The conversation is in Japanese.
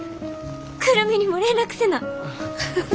久留美にも連絡せな！